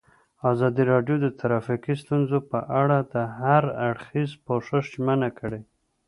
ازادي راډیو د ټرافیکي ستونزې په اړه د هر اړخیز پوښښ ژمنه کړې.